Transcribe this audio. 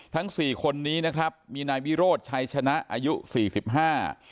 สี่คนนี้นะครับมีนายวิโรธชัยชนะอายุสี่สิบห้า